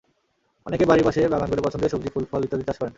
অনেকে বাড়ির পাশে বাগান করে পছন্দের সবজি, ফুল-ফল ইত্যাদি চাষ করেন।